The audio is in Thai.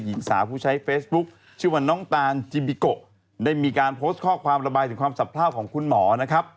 หญิงสาวผู้ใช้เฟซบุ๊คชื่อว่าน้องตานจิบิโกได้มีการโพสต์ข้อความระบายถึงความสะพร่าวของคุณหมอนะครับ